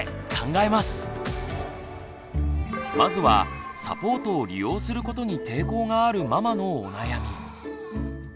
まずはサポートを利用することに抵抗があるママのお悩み。